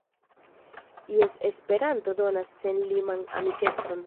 Jes, Esperanto donas senliman amikecon!